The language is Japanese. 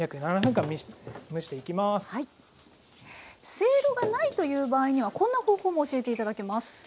せいろがないという場合にはこんな方法も教えて頂けます。